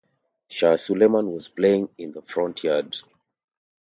Shah Suleman was playing in the front yard.